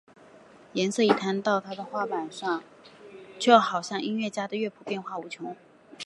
颜色一摊到他的画板上就好像音乐家的乐谱变化无穷！